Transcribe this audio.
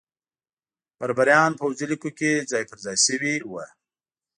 بربریان پوځي لیکو کې ځای پرځای شوي وو.